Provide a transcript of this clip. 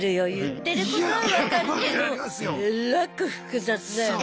言ってることは分かるけどえらく複雑だよね。